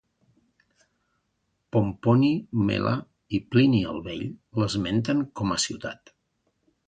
Pomponi Mela i Plini el Vell l'esmenten com a ciutat.